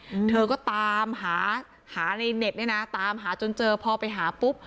อืมเธอก็ตามหาหาในเน็ตเนี้ยนะตามหาจนเจอพอไปหาปุ๊บ